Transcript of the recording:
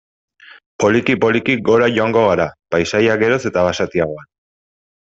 Poliki-poliki gora joango gara, paisaia geroz eta basatiagoan.